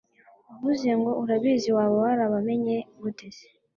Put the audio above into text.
uvuze ngo urabazi! waba warabamenye gute se